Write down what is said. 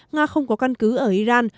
nga không có căn cứ ở iran